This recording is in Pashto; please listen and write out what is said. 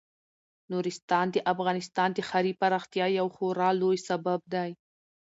نورستان د افغانستان د ښاري پراختیا یو خورا لوی سبب دی.